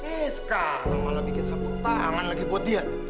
eh sekarang malah bikin sampu tangan lagi buat dia